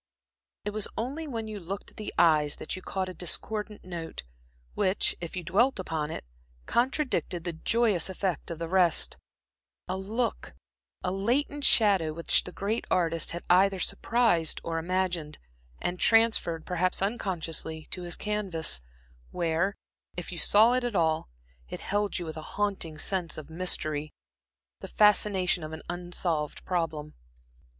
It was only when you looked at the eyes that you caught a discordant note, which, if you dwelt upon it, contradicted the joyous effect of the rest; a look, a latent shadow which the great artist had either surprised or imagined, and transferred perhaps unconsciously to his canvas, where, if you saw it at all, it held you with a haunting sense of mystery, the fascination of an unsolved problem.